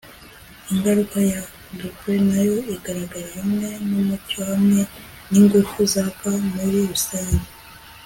Ingaruka ya Doppler nayo igaragara hamwe numucyo hamwe ningufu zaka muri rusange